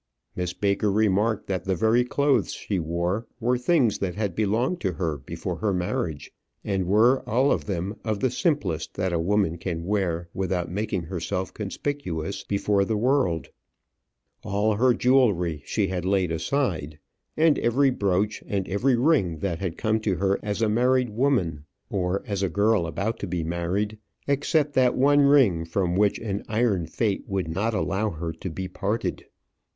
Miss Baker remarked that the very clothes she wore were things that had belonged to her before her marriage, and were all of them of the simplest that a woman can wear without making herself conspicuous before the world. All her jewelry she had laid aside, and every brooch, and every ring that had come to her as a married woman, or as a girl about to be married except that one ring from which an iron fate would not allow her to be parted.